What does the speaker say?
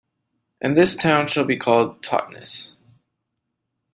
And this town shall be called Totnes.